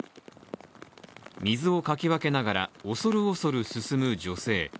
水をかきわけながら、恐る恐る進む女性。